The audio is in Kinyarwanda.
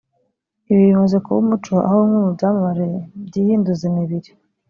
Ibi bimaze kuba umuco aho bimwe mu byamamare byihinduza imibiri